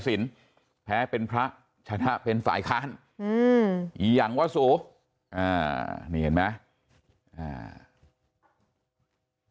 สินแพ้เป็นพระชนะเป็นฝ่ายค้านอย่างว่าสู่นี่เห็นไหม